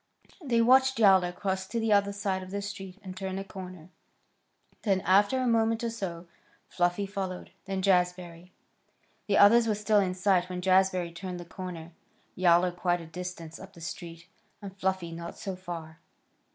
They watched Yowler cross to the other side of the street and turn a corner. Then, after a moment or so, Fluffy followed, then Jazbury. The others were still in sight when Jazbury turned the corner, Yowler quite a distance up the street, and Fluffy not so far.